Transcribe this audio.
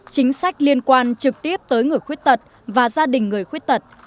chính sách liên quan trực tiếp tới người khuyết tật và gia đình người khuyết tật